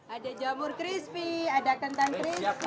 ada jamur crispy ada kentang crispy